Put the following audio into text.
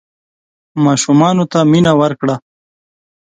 ماشومانو ته مینه ورکړه.